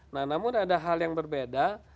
nah namun ada hal yang berbeda